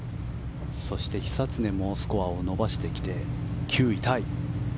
そして久常もスコアを伸ばして９位タイ。